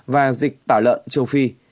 và dịch tả lợn châu phi